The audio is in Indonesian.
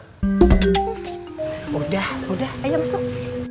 psst udah udah ayo masuk